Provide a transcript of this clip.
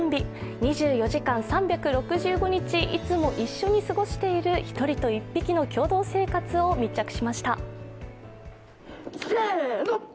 ２４時間３６５日いつも一緒に過ごしている１人と１匹の共同生活を密着しました。